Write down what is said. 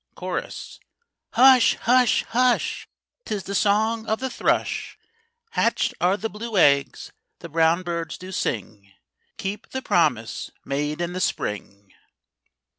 CHORUS. Hush! hush! hush! 'Tis the song of the thrush: Hatched are the blue eggs; the brown birds do sing Keeping the promise made in the Spring.